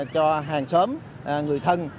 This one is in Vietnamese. cho hàng xóm người thân